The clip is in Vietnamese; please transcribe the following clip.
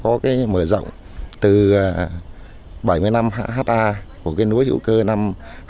có cái mở rộng từ bảy mươi năm ha của cái núi hữu cơ năm hai nghìn một mươi bảy